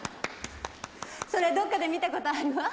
それどこかで見たことあるわ。